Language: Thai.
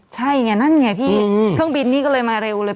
ใช่ไงนั่นไงพี่เครื่องบินนี่ก็เลยมาเร็วเลย